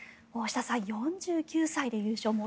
大下さん、４９歳で優勝。